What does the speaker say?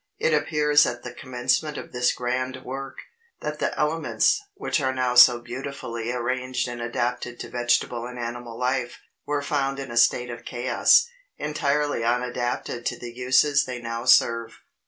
It appears at the commencement of this grand work, that the elements, which are now so beautifully arranged and adapted to vegetable and animal life, were found in a state of chaos, entirely unadapted to the uses they now serve.